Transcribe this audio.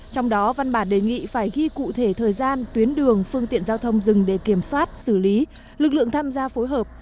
trong đó văn bản đề nghị phải ghi cụ thể thời gian tuyến đường phương tiện giao thông rừng để kiểm soát xử lý lực lượng tham gia phối hợp